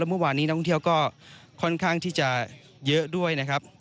เมื่อวานนี้นักท่องเที่ยวก็ค่อนข้างที่จะเยอะด้วยนะครับ